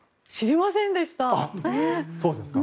知りませんでした。